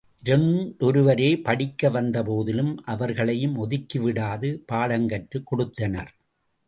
இரண்டொருவரே படிக்க வந்த போதிலும், அவர்களையும் ஒதுக்கிவிடாது பாடங்கற்றுக் கொடுத்தனர்.